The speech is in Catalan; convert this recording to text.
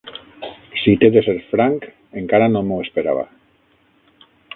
Si t'he de ser franc, encara no m'ho esperava.